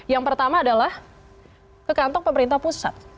yang pertama adalah ke kantong pemerintah pusat